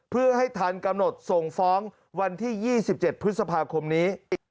เพื่อให้ทันกำหนดส่งฟ้องวันที่๒๗พฤษภาคมนี้